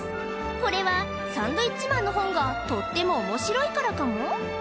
これはサンドウィッチマンの本がとってもおもしろいからかも？